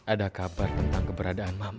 ada kabar tentang keberadaan mama